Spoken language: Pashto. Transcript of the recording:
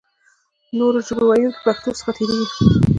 نورو ژبو ویونکي پښتو څخه تېرېږي.